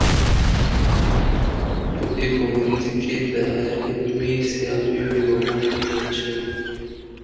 په دې ښوونځي کې د علمي سیالیو یوه غونډه جوړه شوې